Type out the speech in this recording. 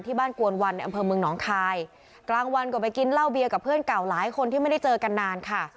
บ้านกวนวันในอำเภอเมืองหนองคายกลางวันก็ไปกินเหล้าเบียร์กับเพื่อนเก่าหลายคนที่ไม่ได้เจอกันนานค่ะ